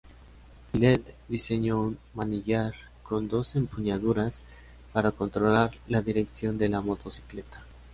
Millet diseñó un manillar con dos empuñaduras para controlar la dirección de la motocicleta.